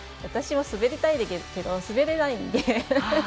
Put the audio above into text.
私も滑りたいけど滑れないんで。